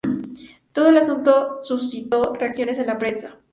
Todo el asunto suscitó reacciones en la prensa.